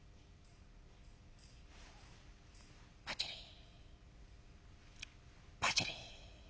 「パチリパチリ。